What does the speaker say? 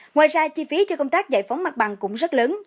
ngoài ra chi phí cho công tác giải phóng mặt bằng cũng rất lớn